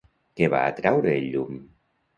Què va atraure el llum?